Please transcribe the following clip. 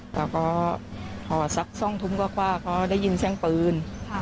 แล้วก็พอสัก๒ทุ่มกว่าเขาได้ยินเสียงปืน